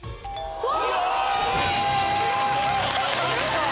うわ！